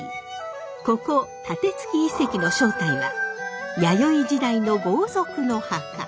ここ楯築遺跡の正体は弥生時代の豪族の墓。